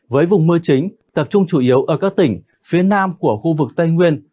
với vùng mưa chính tập trung chủ yếu ở các tỉnh phía nam của khu vực tây nguyên